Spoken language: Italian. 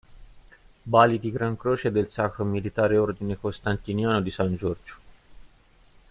Bali di Gran Croce del Sacro Militare Ordine Costantiniano di San Giorgio